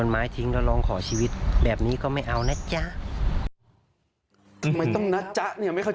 ไม่ต้องนัดจ๊ะเนี่ยไม่เข้าใจน่ะไหล้ครับ